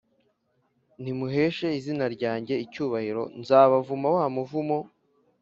ntimuheshe izina ryanjye icyubahiro nzabavuma wa muvumo